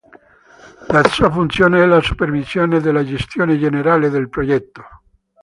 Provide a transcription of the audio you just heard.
La sua funzione è la supervisione della gestione generale del progetto.